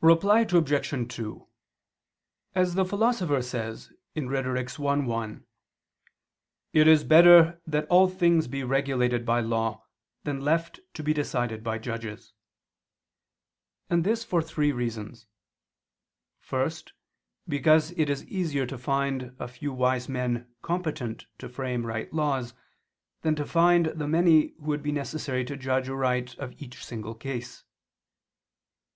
Reply Obj. 2: As the Philosopher says (Rhet. i, 1), "it is better that all things be regulated by law, than left to be decided by judges": and this for three reasons. First, because it is easier to find a few wise men competent to frame right laws, than to find the many who would be necessary to judge aright of each single case.